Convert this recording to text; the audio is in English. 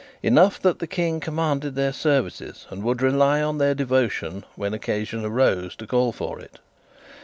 Enough that the King commanded their services, and would rely on their devotion when occasion arose to call for it.